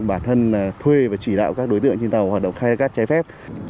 bản thân thuê và chỉ đạo các đối tượng trên tàu hoạt động khai thác cát trái phép